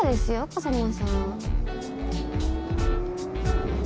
風真さん。